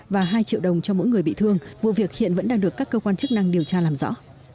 và hai triệu đồng cho mỗi người bị thương vụ việc hiện vẫn đang được các cơ quan chức năng điều tra làm rõ